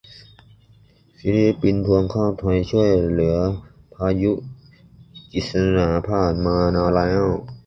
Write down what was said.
ฟิลิปปินส์ทวงข้าวไทยช่วยเหยื่อพายุกิสนา ผ่านมานานแล้ว